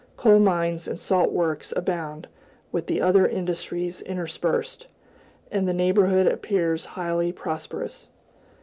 Coal mines and salt works abound, with other industries interspersed; and the neighborhood appears highly prosperous.